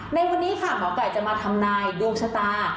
ในวันนี้ค่ะหมอไก่จะมาทำนายดวงชะตา